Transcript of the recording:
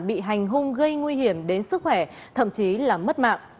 bị hành hung gây nguy hiểm đến sức khỏe thậm chí là mất mạng